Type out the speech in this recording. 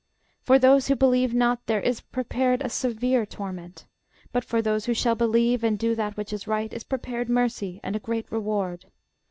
For those who believe not there is prepared a severe torment: but for those who shall believe and do that which is right, is prepared mercy and a great reward.